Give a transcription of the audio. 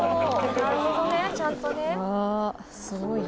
「なるほどねちゃんとね」